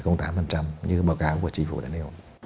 như báo cáo của chính phủ đã nêu